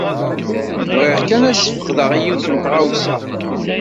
Bɣiɣ kan ad ssfeqdeɣ i yiwet n tɣawsa.